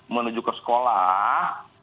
menuju ke sekolah